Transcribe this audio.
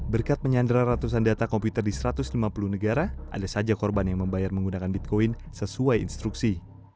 berkat menyandara ratusan data komputer di satu ratus lima puluh negara ada saja korban yang membayar menggunakan bitcoin sesuai instruksi